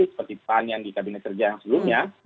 seperti pan yang di kabinet kerja yang sebelumnya